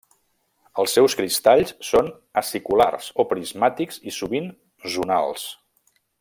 Els seus cristalls són aciculars o prismàtics i sovint zonals.